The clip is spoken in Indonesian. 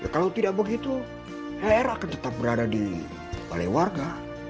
kalau tidak begitu hera akan tetap berada di balai warga